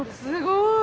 すごい。